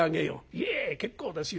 「いえ結構ですよ。